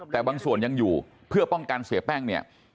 แต่บางส่วนยังอยู่เพื่อป้องกันเสียแป้งเนี่ย